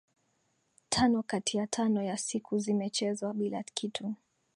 tano kati ya tano ya siku zimechezwa bila kitu